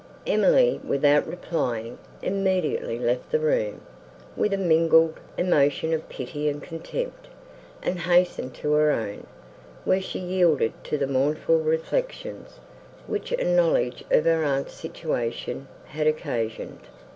Emily, without replying, immediately left the room, with a mingled emotion of pity and contempt, and hastened to her own, where she yielded to the mournful reflections, which a knowledge of her aunt's situation had occasioned.